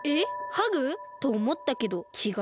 ハグ！？とおもったけどちがう？